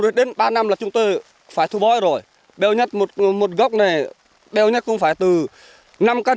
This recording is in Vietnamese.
rồi đến ba năm là chúng tôi phải thu bói rồi béo nhất một góc này béo nhất cũng phải từ năm cân